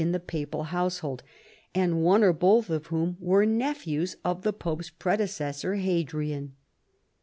245 papal household, and one or both of whom were nephews of the pope's predecessor Hadrian.